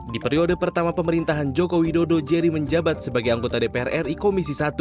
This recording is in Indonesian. di periode pertama pemerintahan joko widodo jerry menjabat sebagai anggota dpr ri komisi satu